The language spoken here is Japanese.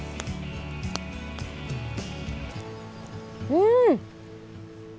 うん！